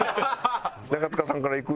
中務さんからいく？